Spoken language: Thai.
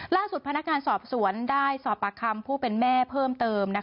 ล่าสุดพนักงานสอบสวนได้สอบปากคำผู้เป็นแม่เพิ่มเติม